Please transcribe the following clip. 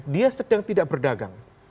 dia sedang tidak berdagang